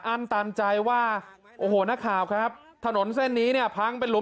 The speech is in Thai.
อันตันใจว่าโอ้โหนักข่าวครับถนนเส้นนี้เนี่ยพังเป็นหุม